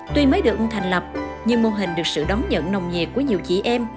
tuy mới được thành lập nhưng mô hình được sự đón nhận nồng nhiệt của nhiều chị em